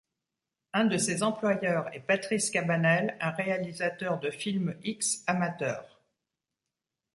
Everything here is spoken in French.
Un de ses employeurs est Patrice Cabanel, un réalisateur de films X amateurs.